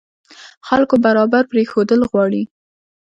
خلکو برابر پرېښودل غواړي.